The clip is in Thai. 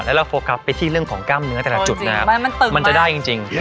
แล้วเราโฟกัสไปที่เรื่องของกล้ามเนื้อแต่ละจุดนะครับมันจะได้จริง